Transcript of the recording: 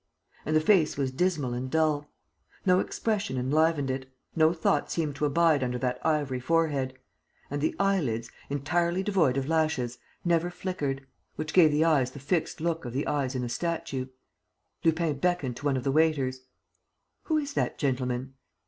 And the face was dismal and dull. No expression enlivened it. No thought seemed to abide under that ivory forehead; and the eye lids, entirely devoid of lashes, never flickered, which gave the eyes the fixed look of the eyes in a statue. Lupin beckoned to one of the waiters: "Who is that gentleman?"